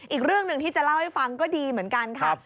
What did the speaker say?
อีกเรื่องหนึ่งที่จะเล่าให้ฟังก็ดีเหมือนกันค่ะ